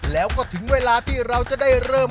แล้วก็ถึงเวลาที่เราจะได้เริ่ม